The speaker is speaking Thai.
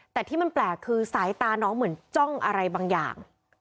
แต่ที่มันแปลกคือสายตาน้องเหมือนจ้องอะไรบางอย่าง